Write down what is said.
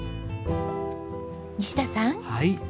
西田さん。